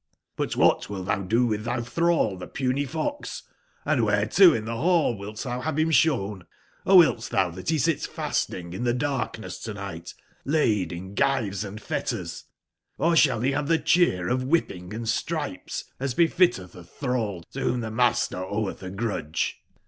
But wbat wilt tbou do witb tby tbrall tbepuny fox ;& wbereto in tbe ball wilt tbou bave bim sbown ? Or wilt tbou tbat be sit fasting in tbe darkness to nigbt, laid in gyves and fetters ? Or sball be bave tbe cbeerofwbippingand stripes, as befittetb a tbrall to wbom tbe master owetb a grudge?